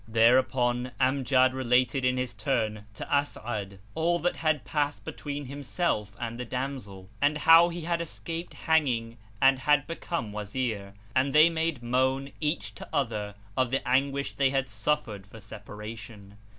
Thereupon Amjad related in his turn to As'ad all that had passed between himself and the damsel; and how he had escaped hanging and had become Wazir; and they made moan, each to other, of the anguish they had suffered for separation.